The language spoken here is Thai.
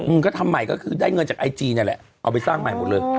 อืมก็ทำใหม่ก็คือได้เงินจากไอจีนี่แหละเอาไปสร้างใหม่หมดเลย